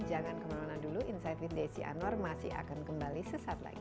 jangan kemana mana dulu insight with desi anwar masih akan kembali sesaat lagi